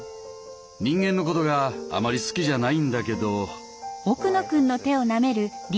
人間のことがあまり好きじゃないんだけど。